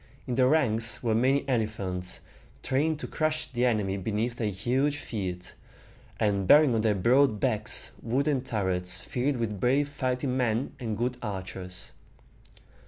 In the ranks were many elephants, trained to crush the enemy beneath their huge feet, and bearing on their broad backs wooden turrets filled with brave fighting men and good archers.